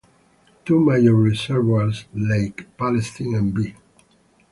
Two major reservoirs, Lake Palestine and B.